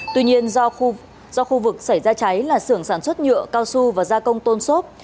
tuy nhiên do khu vực xảy ra cháy là xưởng sản xuất nhựa cao su và gia công tôn xốp